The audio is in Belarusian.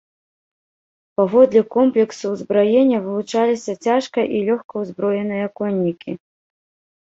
Паводле комплексу ўзбраення вылучаліся цяжка- і лёгкаўзброеныя коннікі.